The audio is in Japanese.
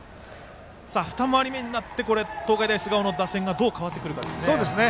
二回り目になって東海大菅生の打線がどう変わってくるかですね。